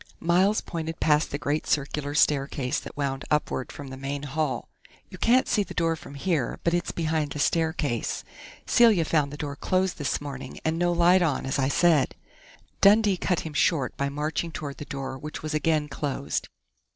Miles pointed past the great circular staircase that wound upward from the main hall. "You can't see the door from here, but it's behind the staircase. Celia found the door closed this morning, and no light on, as I said " Dundee cut him short by marching toward the door which was again closed.